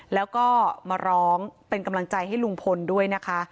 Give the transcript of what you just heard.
แล้วก็มาร้องเป็นกำลังใจให้ลุงพลด้วยนะคะ